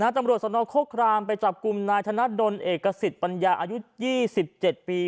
ตำรวจสนโคครามไปจับกลุ่มนายธนดลเอกสิทธิ์ปัญญาอายุ๒๗ปี